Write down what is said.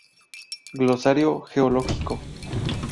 Glosario geológico.